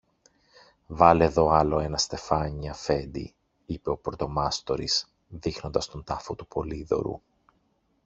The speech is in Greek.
Βάλε δω άλλο ένα στεφάνι, Αφέντη, είπε ο πρωτομάστορης, δείχνοντας τον τάφο του Πολύδωρου.